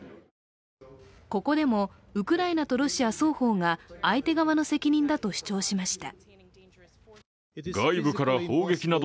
ここでもウクライナとロシア双方が相手側の責任だと主張しました。